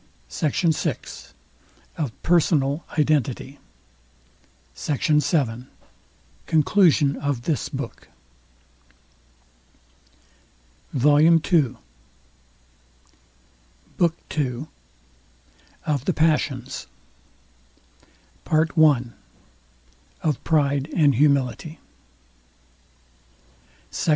SECT. VI. OF PERSONAL IDENTITY SECT. VII. CONCLUSION OF THIS BOOK. VOLUME II BOOK II OF THE PASSIONS PART I OF PRIDE AND HUMILITY SECT.